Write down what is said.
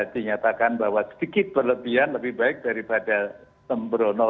dinyatakan bahwa sedikit berlebihan lebih baik daripada sembrono